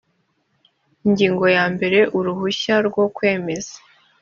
ingingo ya mbere uruhushya rwo kwemeza